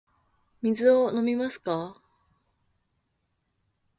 お水を飲みますか。